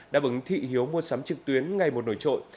đã bứng thị hiếu mua sắm trực tuyến ngay một nổi trội